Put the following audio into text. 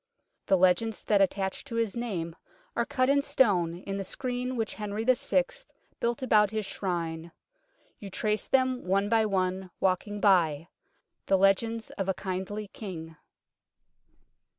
The legends that attach to his name are cut in stone in the screen which King Henry VI. built about his Shrine. You trace them one by one, walking by ; the legends of a kindly King.